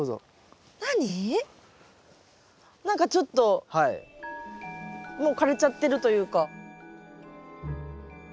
何かちょっともう枯れちゃってるというか。